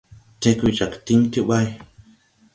Tẽg we jag tiŋ ti ɓay.